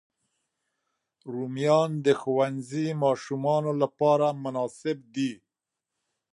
رومیان د ښوونځي ماشومانو لپاره مناسب دي